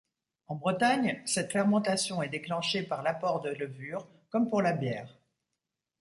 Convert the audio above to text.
En Bretagne, cette fermentation est déclenchée par l'apport de levures comme pour la bière.